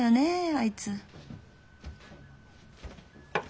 あいつ。